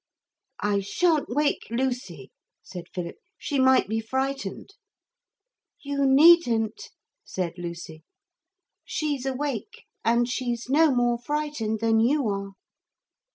'I shan't wake Lucy,' said Philip; 'she might be frightened.' 'You needn't,' said Lucy, 'she's awake, and she's no more frightened than you are.'